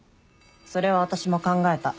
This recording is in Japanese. それは私も考えた。